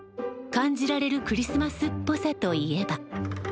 感じられるクリスマスっぽさといえば。